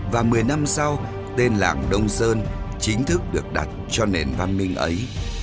và một mươi năm sau tên làng đông sơn chính thức được đặt cho nền văn minh ấy